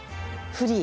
フリー。